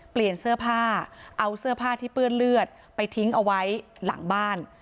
เปลี่ยนเสื้อผ้าเอาเสื้อผ้าที่เปื้อนเลือดไปทิ้งเอาไว้หลังบ้าน